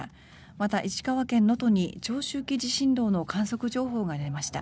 また、石川県能登に長周期地震動の観測情報が出ました。